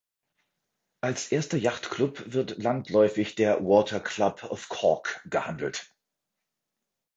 Als erster Yachtclub wird landläufig der "Water Club of Cork" gehandelt.